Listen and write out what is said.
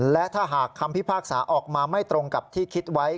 และถ้าหากคำพิพากษาออกมาไม่ตรงกับที่คิดไว้